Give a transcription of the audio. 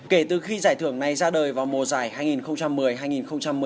kể từ khi giải thưởng này ra đời vào mùa giải hai nghìn một mươi hai nghìn một mươi